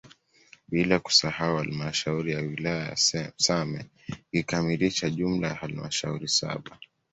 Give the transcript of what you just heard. Bila kusahau halmashauri ya wilaya ya Same ikikamilisha jumla ya halmashauri saba